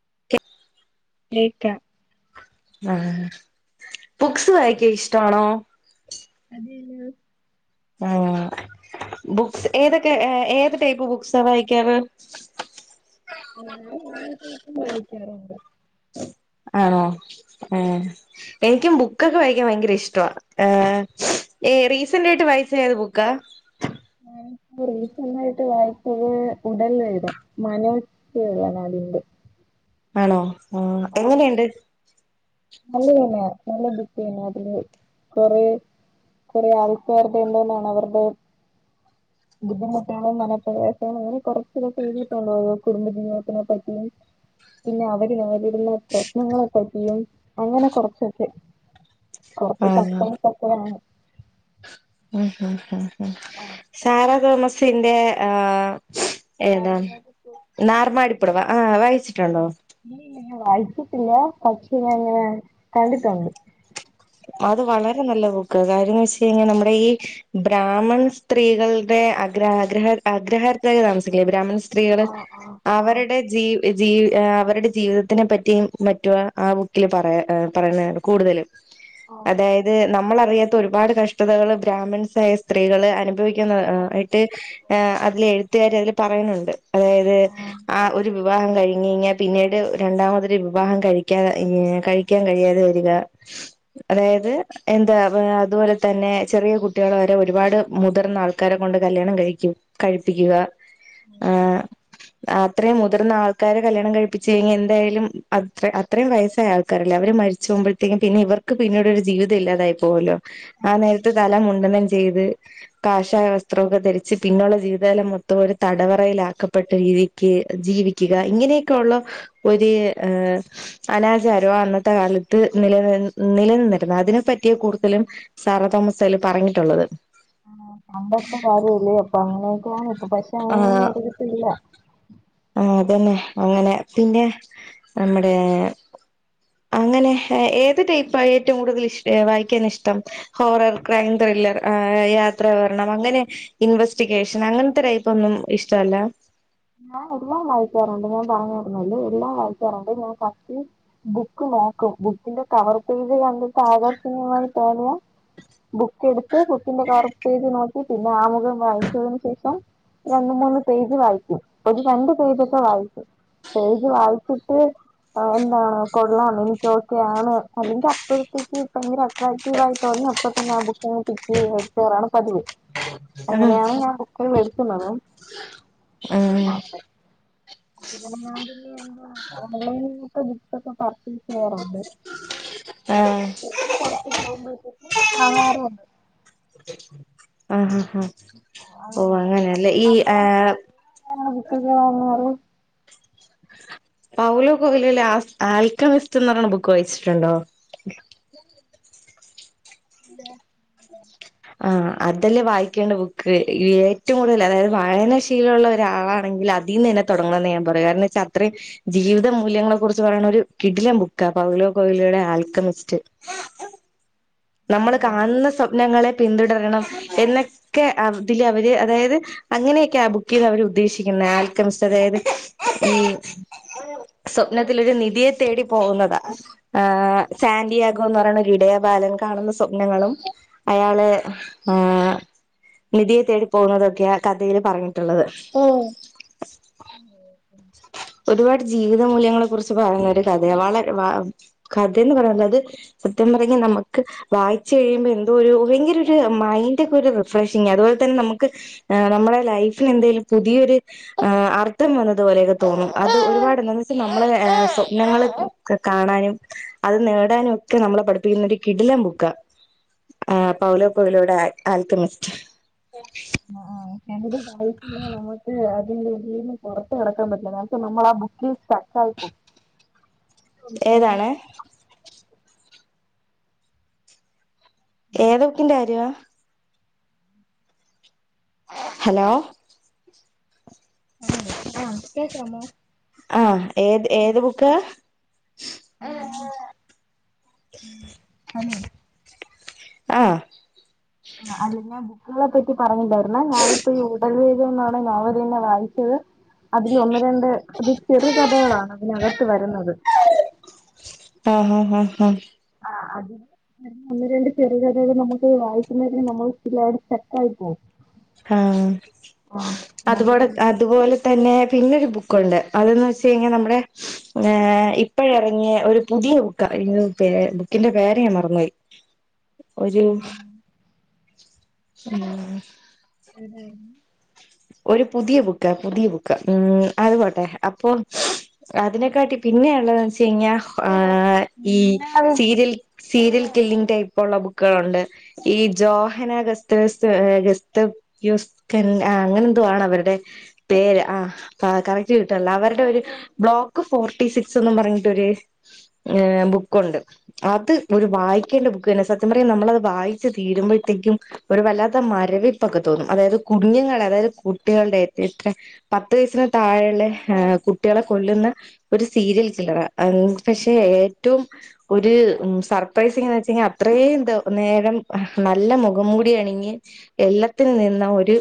[unintelligible] [unintelligible] ആഹ് books വായിക്കാൻ ഇഷ്ടമാണോ? അതെല്ലോ ആഹ് ബുക്സ് ഏതൊക്കെ ഏത് ടൈപ്പ് ബുക്സാ വായിക്കാറ്? ഞാൻ എല്ലാ ടൈപ്പും വായിക്കാറുണ്ട് ആണോ ആഹ് എനിക്കും ബുക്കൊക്കെ വായിക്കാൻ ഭയങ്കര ഇഷ്ടവാ ആഹ് ഈ റീസന്റ് ആയിട്ട് വായിച്ചത് ഏത് ബുക്കാ? ഞാനിപ്പോ റീസന്റ് ആയിട്ട് വായിച്ചത് ഉടൽ വേദം മനോ [unintelligible] ആണോ ആഹ് എങ്ങനെയുണ്ട്? നല്ല [unintelligible] നല്ല ബുക്ക് തന്നെയാ അതില് കുറേ കുറേ ആൾക്കാരുടെ എല്ലാം [unintelligible] ബുദ്ധിമുട്ടുകളും മനപ്രയാസങ്ങളും അങ്ങനെ കുറച്ചൂ എഴുതിയിട്ടുള്ളൂ കുടുംബജീതത്തിനെ പറ്റിയും പിന്നെ അവര് നേരിടുന്ന പ്രശ്നങ്ങളെ പറ്റിയും അങ്ങനെ കുറച്ചൊക്കെ കുറച്ച് ആഹ് സസ്പെൻസ് ഒക്കെയാണ് [unintelligible] ആഹ് സാറാ തോമസിന്റെ ആഹ് ഏതാ? നറുന്നതൊക്കെ നാർമാടിപ്പുടവ ആഹ് ആ വായിച്ചിട്ടുണ്ടോ? ഞാൻ വായിച്ചിട്ടില്ല പക്ഷേ ഞാൻ ഇങ്ങനെ കണ്ടിട്ടുണ്ട് അത് വളരെ നല്ല ബുക്ക് കാര്യന്ന് വെച്ച കഴിഞ്ഞാ നമ്മുടെ ഈ ബ്രാഹ്മൺ സ്ത്രീകളുടെ അഗ്ര അഗ്രഹ അഗ്രഹാരത്തിലല്ലേ താമസിക്കല് ബ്രാഹ്മ സ്ത്രീകള് അവരുടെ ജീ ജീ ആഹ് അവരുടെ ജീവിതത്തിനെ പറ്റിയും മറ്റുവാ ആ ബുക്കില് പറയ പറയണ കൂടുതലും അതായത് നമ്മൾ അറിയാത്ത ഒരുപാട് കഷ്ടതകള് ബ്രാഹ്മിൺസായ സ്ത്രീകള് അനുഭവിക് അതെ. ആയിട്ട് ഉം, അതിലെ എഴുത്തുകാരി അതില് പറയുന്നുണ്ട് അതായത് ആ ഒരു വിവാഹം കഴിഞ്ഞ് കഴിഞ്ഞാ പിന്നീട് രണ്ടാമതൊരു വിവാഹം കഴിക്കാ കഴിക്കാൻ കഴിയാതെ വരിക [inaudible] അതായത് എന്താ അതുപോലെ തന്നെ ചെറിയ കുട്ടികൾ വരെ ഒരുപാട് മുതിർന്ന ആൾ ആൾക്കാരെ കൊണ്ട് കല്യാണം കഴിക്കും കഴിപ്പിക്കുക ഉം, ആഹ് അത്രയും മുതിർന്ന ആൾക്കാരെ കല്യാണം കഴിപ്പിച്ച് കഴിഞ്ഞാ എന്തായാലും അത്ര അത്രയും വയസ്സായ ആൾക്കാരല്ലേ അവര് മരിച്ച്പോകുമ്പഴു പിന്നെ ഇവർക്ക് പിന്നീട് ഒരു ജീവിതം ഇല്ലാതായി പോകുല്ലോ ആ നേരത്ത് തല മുണ്ടനം ചെയ്ത് കാഷായ വസ്ത്രമൊക്കെ ധരിച്ച് പിന്നെയുള്ള ജീവിതകാലം മൊത്തം ഒരു തടവറയിലാക്കപ്പെട്ട രീതി ക്ക് ജീവിക്കുക ഇങ്ങനെയൊക്കെ ഉള്ള ഒര് അനാചാരോ അന്നത്തെ കാലത്ത് നിലനിന്ന് നിലനിന്നിരുന്നു അതിന് പറ്റിയ കൂടുതലും സാറാ തോമസ് അതില് പറഞ്ഞിട്ടുള്ളത് അന്നത്തെ കാര്യമല്ലേ അപ്പ അങ്ങനെയൊക്കെ കാണും ഇപ്പം പക്ഷെ അങ്ങനെയൊന്നും ആഹ് ഒരിടത്തുമില്ല ആഹ് അതന്നെ അങ്ങനെ പിന്നെ നമ്മുടെ അങ്ങനെ ഏത് ടൈപ്പാ ഏറ്റവും കൂടുതൽ ഇഷ് വായിക്കാൻ ഇഷ്ടം ഹോറർ ക്രൈം ത്രില്ലർ ആഹ് യാത്രാ വിവരണം അങ്ങനെ ഇൻവെസ്റ്റിഗേഷൻ അങ്ങനത്തെ ടൈപ്പൊന്നും ഇഷ്ടമല്ല ഞാൻ എല്ലാം വായിക്കാറുണ്ട് ഞാൻ പറഞ്ഞിരുന്നല്ലോ എല്ലാം വായിക്കാറുണ്ട് ഞാൻ ഫസ്റ്റ് ബുക്ക് നോക്കും ബുക്കിന്റെ കവർ പേജ് കണ്ടിട്ട് ആകർഷണീയമായി തോന്നിയ ബുക്ക് എടുത്ത് ബുക്കിന്റെ കവർ പേജ് നോക്ക്‌ പിന്നെ ആമുഖം വായിച്ചതിന് ശേഷം രണ്ട് മൂന്ന് പേജ് വായിക്കും ഒരു രണ്ട് പേജൊക്കെ വായിക്കും പേജ് വായിച്ചിട്ട് അത് എന്താണ് കൊള്ളാം എനിക്ക് ഓക്കെയാണ് അല്ലെങ്കിൽ അപ്പോഴത്തേക്ക് കിട്ടുവെങ്കി ആക്ടീവായി തോന്നിയ അപ്പൊ തന്നെ ആ ബുക്ക്‌ ഇങ്ങ് പിക്ക് ചെയ്തു എടുക്കാറാണ് പതിവ് ആഹ് അങ്ങനെയാണ് ഞാൻ ബുക്കുകൾ എടുക്കുന്നതും ആഹ് അതെ പിന്നെ ഞാൻ പിന്നെ ഓൺലൈനിലൊക്കെ ബുക്സൊക്കെ പർച്ചേസ് ചെയ്യാറുണ്ട് ആഹ് ഞങ്ങൾ പൊറത്ത് പോകുമ്പോഴത്തേക്ക് ആഹാരം ഉണ്ട് [inaudible] ആഹ് ഉം [unintelligible] അങ്ങനെയല്ലേ ഈ ആഹ് ആ ബുക്കെല്ലാം ഒന്ന് പറയ്‌ പൗലോ കോയിലോയിലെ ആ ആൽകെമിസ്റ്റ് എന്ന് പറണ ബുക്ക് വായിച്ചിട്ടുണ്ടോ ഇല്ല [inaudible] ആഹ് അതല്ലേ വായിക്കേണ്ട ബുക്ക് ഏറ്റവും കൂടുതൽ അതായത് വായനശീലമുള്ള ഒരാളാണെങ്കിൽ അത് അതീന്ന് തന്നെ തൊടങ്ങണം ന്നെ ഞാൻ പറയു കാരണം ന്ന് വെച്ചാ അത്രയും ജീവിത മൂല്യങ്ങളെ കുറിച്ച് പറയണ ഒരു കിടിലം ബുക്കാ പൗലോ കൊയിലോയുടെ ആൽക്കെമിസ്റ്റ് നമ്മള് കാണുന്ന സ്വപ്നങ്ങളെ പിന്തുടരണം എന്നൊക്കെ അതില് അവര് അതായത് അങ്ങനെയൊക്കെയാ ആ ബുക്ക് ചെയ്ത അവര് ഉദ്ദേശിക്കുന്നെ ആൽക്കെമിസ്റ്റ് അതായത് ഈ സ്വപ്നത്തിലൊരു നിധിയെ തേടി പോകുന്നതാ ആഹ് സാന്റിയാഗോ എന്ന് പറയുന്ന ഒരു ഇടയബാലൻ കാണുന്ന സ്വപ്നങ്ങളും അയാള് ആഹ് നിധിയെ തേടി പോകുന്നതൊക്കെയാ കഥയിൽ പറഞ്ഞിട്ടുള്ളത് [inaudible] ഒരുപാട് ജീവിത മൂല്യങ്ങളെ കുറിച്ച് പറയുന്ന ഒരു കഥയാ വളരെ വ കഥയെന്ന് പറയുന്നത് സത്യം പറഞ്ഞ നമുക്ക് വായിച്ചു കഴിയുമ്പോ എന്തോ ഒരു ഭയങ്കര ഒരു മൈൻഡ് ഒക്കെ ഒരു റിഫ്രഷിംഗാ അതുപോലെ തന്നെ നമുക്ക് ആഹ് നമ്മുടെ ലൈഫിന് എന്തെലും പുതിയൊരു ആഹ് അർത്ഥം വന്നത് പോലെയൊക്കെ തോന്നും അത് ഒരുപാട് എന്താന്ന് വച്ചാൽ നമ്മള് സ്വപ്നങ്ങള്ക്കെ കാണാനും അത് നേടാനും ഒക്കെ നമ്മളെ പഠിപ്പിക്കുന്ന ഒരു കിടിലം ബുക്കാ ആഹ് പൗലോകൊയിലോയുടെ ആൽക്കെമിസ്റ്റ് ആഹ് ഞാനത് വായിച്ച് കഴിഞ്ഞ നമ്മക്ക് അതിന്റുള്ളീന്ന് പൊറത്ത് കടക്കാൻ പറ്റില്ല എന്ന് വച്ചാ നമ്മൾ ആ ബുക്കിൽ സ്റ്റക്ക് ആയി പോകും ഏതാണ് ഏത് ബുക്കിന്റെ കാര്യവാ ഹലോ ഹലോ ആഹ് കേക്കാമോ ആഹ് ഏത് ആഹ് ഏത് ബുക്കാ അല്ല ഞാൻ ഉം ഹലോ. ആഹ് ആഹ് അലീനബു ക് കാളെ പറ്റി പറഞ്ഞിട്ടണ്ടായിരുന്ന ഞാനിപ്പ ഈ ഉടൽ വേഗം എന്നൊള്ള നോവലന്നെ വായിച്ചത് അതിൽ ഒന്ന് രണ്ട് അത് ചെറുകഥകളാണ് അതിനകത്ത് വരുന്നത്. ആഹ് ആഹ് ആഹ് ആഹ്. ആഹ് അത്. ഒന്ന് രണ്ട് ചെറ്കഥേക് നമുക്ക് വായിക്കുന്നതിന് നമ്മൾപിന്നവിടെ സ്റ്റെക്കായി പോവും. ആഹ് അതുപോടെ ആഹ് അത് അതുപോലെ തന്നെ പിന്നൊരു ബുക്കുണ്ട് അതന്ന് വെച്ച കഴിഞ്ഞാ നമ്മടെ ഏഹ് ഇപ്പോ ഇറങ്ങിയ ഒരു പുതിയ ബുക്ക അയിന് പെ ബുക്കിന്റെ പേര് ഞാൻ മറന്ന്പോയി. ഒരു ഉം ഏതാണ് ഒരു പുതിയ ബുക്ക പുതിയ ബുക്ക ഉം അതുപോട്ടെ അപ്പൊ. അതിനെക്കാട്ടി പിന്നെള്ളത് വെച്ച് കഴിഞ്ഞാ ആഹ് ഈ സീരിൽ. സീരിയൽ കില്ലിംഗങ് ടൈപ് ഉള്ള ബുക്കുകളുണ്ട്. ഈ ജോഹന ഗസ്തസ് ഗസ്ത് യുസ്കൻ ആഹ് അങ്ങനെ എന്തോ ആണ് അവരുടെ പേര് ആഹ് ആഹ് കറക്റ്റ് കിട്ട്ൻല അവരുടെ ഒരു. ബ്ലോക്ക് ഫോർട്ടി സിക്സ് എന്ന് പറഞ്ഞിട്ട് ഓര് ഏഹ് ബുക്കുണ്ട്. അത് ഒരു വായിക്കേണ്ട ബുക്ക് തന്നെ സത്യം പറയാ നമ്മളത് വായിച്ചു തീരുമ്പോഴത്തേക്കും. ഒരു വല്ലാത്ത മരവിപ്പൊക്കെ തോന്നും അതായത് കുഞ്ങ്ങ അതായത് കുട്ടികളുടെ ഇത്ര പത്ത് വയസിന് താഴെയുള്ളെ ഏഹ് കുട്ടാളെ കൊല്ലുന്ന. ഒരു സീരിയൽ കില്ല ആം പക്ഷെ ഏറ്റോം ഓര് ഉം സർപ്രൈസിംഗ് എന്ന് വെച്ചയിഞ്ഞ അത്രയും ദി നേരം നല്ല മുഖം മുടി അണിഞ്ഞ്. എല്ലത്തിൻ നിന്ന ഒര്.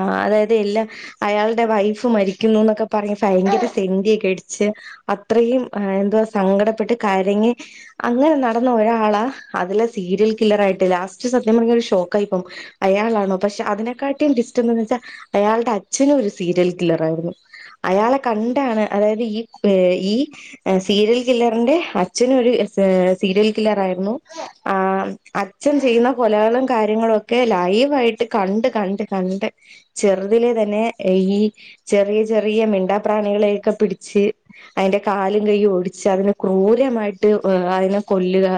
ആഹ് അതായത് എല്ല അയാളുടെ വൈഫ് മരിക്കുന്നു എന്നൊക്കെ പറഞ്ഞ് ഭയങ്കര സെറ്റിയൊക്കെ അടിച്ച്. അത്രയും ആഹ് എന്തുവാ സങ്കടപ്പെട്ട് കരഞ് അങ്ങനെ നടന്ന ഒരാള അതിലെ സീരിയൽ കില്ലറയിട്ട് ലാസ്റ്റ് സത്യം പറഞ്ഞ ഒരു ഷോക്കയിപ്പോം അയാളാണോ പക്ഷെ അതിനെക്കാട്ടി ടിസ്റ്റ്ന്തന്ന് വെച്ചാൽ അയാളുടെ അച്ഛനും ഒരു സീരിയൽ കില്ലറായിരുന്നു. അയാളെ കണ്ടാണ് അതായത് ഈ പെ ഈ. ഏഹ് സീരിയൽ കില്ലറിന്റെ അച്ഛന് ഒരു എസേ സീരിയൽ കില്ലറാആയിരുന്നു ആം അച്ഛൻ ചെയ്യുന്ന കൊലകളും കാര്യങ്ങളും ഒക്കെ ലൈവായിട്ട് കണ്ട് കണ്ട്. കണ്ട് ചെറുതില് തന്നെ ഈ. ചെറിയ ചെറിയ മിണ്ടാ പ്രാണികളെഒക്കെ പിടിച്ച്. അതിന്റെ കാലും കയ്യും ഒടിച്ച് അതിനെ ക്രൂരമായിട്ട് അതിനെ കൊല്ലുക.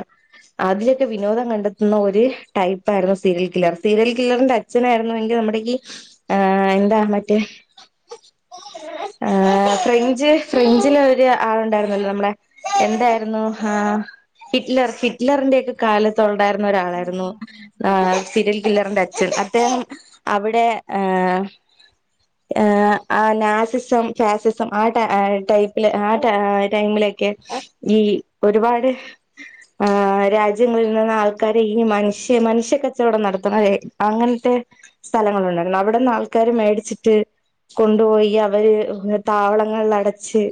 അതിലൊക്കെ വിനോദം കണ്ടെത്തുന്ന ഒരു ടൈപ്പായിരുന്നു സീരിയൽ കില്ലർ സീരിയൽ കില്ലറിന്റെ അച്ഛനായിരുന്നു ങ്കി നമ്മുടെകി ആഹ് എന്താ മറ്റേ. ആഹ് ഫ്രഞ്ച് ഫ്രഞ്ചില് ഓര് ആളുണ്ടായിരുന്നല്ലോ നമ്മുടെ. എന്തായിരുന്നു ആഹ. ഹിറ്റ്ലർ ഹിറ്റ്ലറിന്റെ ഒക്കെ കാലത് ഉണ്ടായിരുന്ന ഒരാളായിരുന്നു. ആ സിരിയൽ കില്ലറിന്റെ അച്ഛൻ അദ്ദേഹം അവിടെ ഏഹ. [inaudible] ആ നാസിസം ഫാസിസം ആ ടൈപ്പില് ആ ടൈമിലൊക്കെ. ഈ ഒരുപാട്. ആ രാജ്യം നിന്ന് ആൾക്കാര് ഈ മനുഷ്യ മനുഷ്യ കച്ചവടം നടത്തും അല്ലെ. അങ്ങൻത്തെ സ്ഥലങ്ങളുണ്ടായിരുന്നു അവിടന്ന് ആൾക്കാര് മേടിച്ചിട്ട്. കൊണ്ടുപോയി അവര് താവളങ്ങളില അടച്ച്.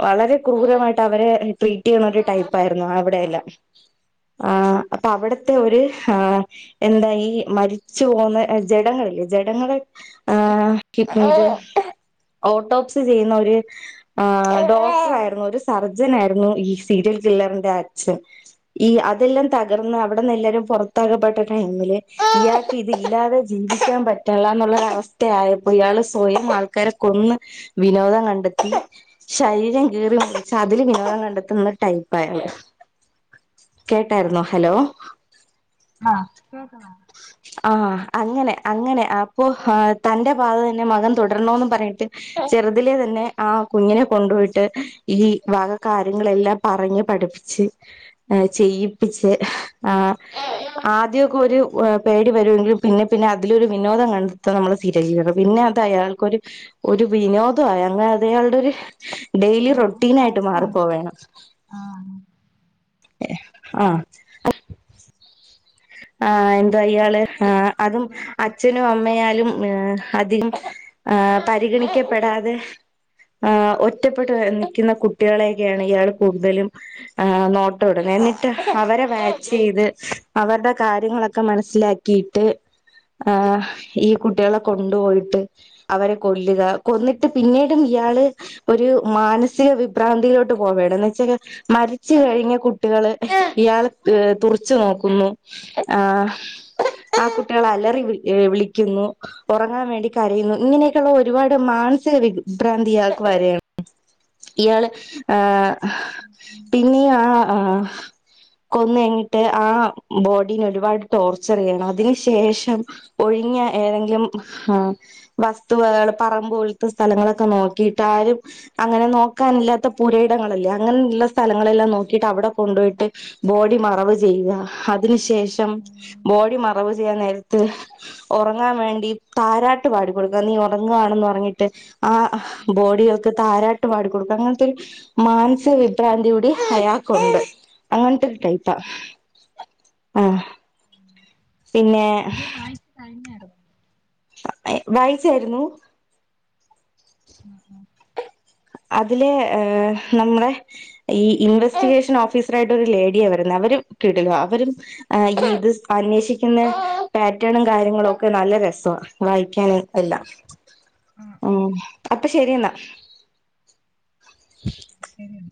വളരെ ക്രൂരമായിട്ട് അവരെ ട്രീറ്റ് ചെയ്യണ ഒരു ടൈപ്പ ആയിരുന്നു അവിടെയെല്ലാം. ആ അപ്പൊ അവിടുത്തെ ഒരു ആ എന്താ യി ഈ മരിച്ചു പോവുന്ന ജടങ്ങലില്ലേ ജടങ്ങൾ ആ ഓട്ടോക്സി ചെയ്യുന്ന ഒരു ആ ഡോക്ടർ ആയിരുന്നു ഒരു സർജന ആയിരുന്നു ഈ സീരിയൽ കില്ലറിന്റെ അച്ഛൻ. ഈ അതെല്ലാം തകർന്ന് അവിടെന്ന് എല്ലാരും പുറത്താക്കപ്പെട്ട ടൈമില് ഇയാൾക്ക് ഇതില്ലാതെ. ജീവിക്കാൻ പറ്റുള്ള എന്നുള്ളര അവസ്ഥയപ്പോ ഇയാള് സ്വയം ആൾക്കാരെ കൊന്ന്. വിനോദം കണ്ടെത്തി. ശരീരം കീറി മുറിച് അതില് വിനോദം കണ്ടെത്തുന്ന ടൈപ്പായിരുന്നു. കേട്ടായിരുന്നോ ഹലോ? ആഹ കേക്കണോ ആഹ അങ്ങനെ അങ്ങനെ അപ്പോ ആ തന്റെ പാത തന്നെ മകൻ തുടരണന്ന് പറഞ്ഞിട്ട്. ചെറുതിലെ തന്നെ ആ കുഞ്ഞിനെ കൊണ്ടുപോയിട്ട് ഈ വാക കാര്യങ്ങളെല്ലാം. പറഞ്ഞ് പഠിപ്പിച്ച്. ചെയ്യിപ്പിച്ച് ആ ആദ്യക്കെ ഒരു. പേടി വരുമെങ്കിലും പിന്നെ പിന്നെ അതിലൊരു വിനോദം കണ്ടെത്താൻ നമ്മൾ സീരിയൽ കില്ലർ പിന്നെ അത് അയാൾക്കൊരു. ഒരു വിനോദയ അങ്ങനെ അതയാ ളുടെ ഒരു ഡെയിലി റൊട്ടീൻ ആയിട്ട് മാറിപ്പോ വേണ്. ആഹ്. ഏ ആഹ് ആ എന്ത അയയാള് ആ അതും അച്ഛനും അമ്മയാലും. ഏ അതി പരിഗണിക്കപ്പെടാതെ. ആ ഒറ്റപ്പെട്ട് നിക്കുന്ന കുട്ടികളെയൊക്കെയാണ് ഇയാൾ കൂടുതലും. ആ നോട്ടടും എന്നിട്ട് അവരെ വാച്ച് ചെയ്ത്. അവരുടെ കാര്യങ്ങളൊക്കെ മനസ്സിലാക്കിയിട്ട്. ആ ഈ കുട്ടികളെ കൊണ്ടുപോയിട്ട്. അവരെ കൊല്ലുക. കൊന്നിട്ട് പിന്നീടും ഇയാള്. ഒരു മാനസിക വിഭ്രാന്തിയിലോട്ട് പോവാണ്. എന്ന് വെച്ചാൽ മരിച്ചു കഴിഞ്ഞ കുട്ടികള് ഇയാളെ തുറി ച്ചു നോക്കും. ന്നു ആ ആ കുട്ടിള് അലറി വിളിക്കുന്നു. ഉറങ്ങാൻ വേണ്ടി കരയുന്നു. ഇങ്ങനെയൊക്കെയുള്ള ഒരുപാട് മാനസിക വിഭ്രാന്തിയാക്ക് വരയാണ്. ഇയാള് ആഹ് [inaudible] പിന്നീ ആ ആ കൊന്നേങ്ങിട്ട് ആ ബോഡീല് ഒരുപാട് ടോർച്ചർ ചെയണം അതിന് ശേഷം. ഒഴിഞ്ഞ ഏതെങ്കിലും ആ വസ്തുവകള് പറമ്പ പോലത്തെ സ്ഥലങ്ങളൊക്കെ നോക്കിയിട്ടാരും. അങ്ങനെ നോക്കാനില്ലാത്ത പുരയിടങ്ങളല്ലേ അങ്ങനെയുള്ള. സ്ഥലങ്ങളെല്ലാം നോക്കിയിട്ട് അവിടെ കൊണ്ടു പോയിട്ട് ബോഡി മറവ് ചെയ്യുക. അതിനു ശേഷം ബോഡി മറവ് ചെയ്യാൻ നേരത്ത്. ഉറങ്ങാൻ വേണ്ടി താരാട്ട് പാടിക്കൊടുക്കുക, നീ ഉറങ്ങുകവാണെന്ന് ഉറങ്ങിയിട്ട് ആഹ്. ബോഡിയൊക്കെ താരാട്ട് പാടിക്കൊടുക്കും അങ്ങനത്തെ ഒരു മാനസിക വിഭ്രാന്തി കൂടി അയാൾക്കുണ്ട്. അങ്ങനത്തെ ഒരു ടൈപ്പാ, ആഹ് പിന്നെ. അത് വായിച്ചു കഴിഞ്ഞായിരുന്നു. വാ വായിച്ചായിരുന്നു. ആഹ് ആഹ് അതിലെ ഏഹ് നമ്മുടെ. ഈ ഇൻവെസ്റ്റിഗേഷൻ ഓഫീസർ ആയിട്ട് ഒരു ലേഡിയാ വരുന്നേ, അവര് കിടിലാ അവരും. ആഹ് ഇത് അന്വേഷിക്കുന്ന പാറ്റേണും കാര്യങ്ങളും ഒക്കെ നല്ല രസാ വായിക്കാൻ എല്ലാം. [unintelligible] ഉം, അപ്പൊ ശരിയെന്നാൽ. [unintelligible]